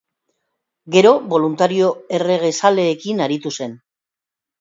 Gero Boluntario erregezaleekin aritu zen.